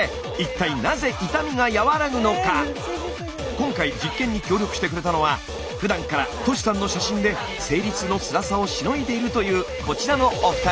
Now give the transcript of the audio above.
今回実験に協力してくれたのはふだんからトシさんの写真で生理痛のつらさをしのいでいるというこちらのお二人。